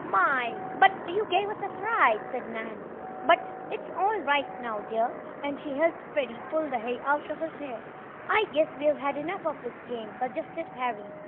"My! But you gave us a fright!" said Nan. "But it's all right now, dear," and she helped Freddie pull the hay out of his hair. "I guess we've had enough of this game," suggested Harry.